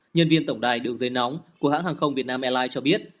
nhân viên tổng đài đường dây nóng của hãng hàng không việt nam airlines cho biết